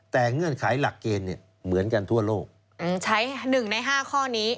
แต่เงื่อนไขหลักเกณฑ์เนี่ยเหมือนกันทั่วโลกใช้๑ใน๕ข้อนี้